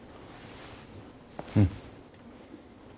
うん。